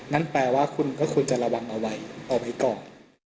นั่นแปลว่าคุณก็ควรจะระวังเอาไว้เอาไว้ก่อน